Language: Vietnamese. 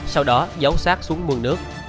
sau đó giấu sát xuống mương nước